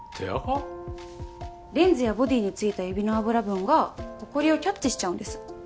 レンズやボディーについた指の脂分がほこりをキャッチしちゃうんです。